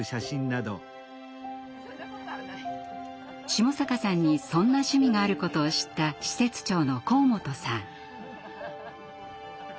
下坂さんにそんな趣味があることを知った施設長の河本さん。